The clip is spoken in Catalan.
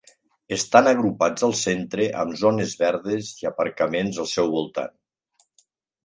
Estan agrupats al centre, amb zones verdes i aparcaments al seu voltant.